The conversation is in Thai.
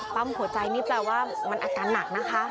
ปั๊มหัวใจนี่แปลว่ามันอาการหนักนะคะ